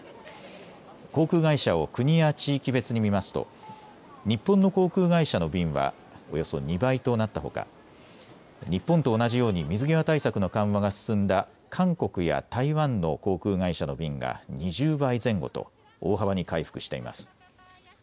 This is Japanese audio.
航空会社を国や地域別に見ますと日本の航空会社の便はおよそ２倍となったほか日本と同じように水際対策の緩和が進んだ韓国や台湾の航空会社の便が２０倍前後と大幅に回復しています。